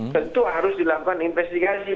tentu harus dilakukan investigasi